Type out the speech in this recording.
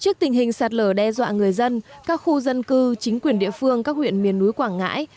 trước tình hình sạt lở đe dọa người dân các khu dân cư chính quyền địa phương các huyện miền núi quảng ngãi